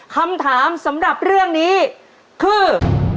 คำถามสำหรับเรื่องนี้คือ